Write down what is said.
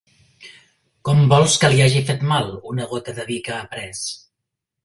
Com vols que li hagi fet mal, una gota de vi que ha pres?